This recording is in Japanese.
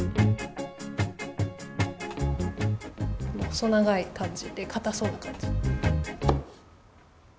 細長いかんじでかたそうなかんじ。